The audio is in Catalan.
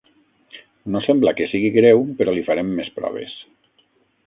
No sembla que sigui greu, però li farem més proves.